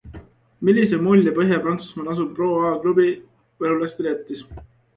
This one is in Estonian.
Millise mulje Põhja-Prantsusmaal asuv Pro A klubi võrulasele jättis?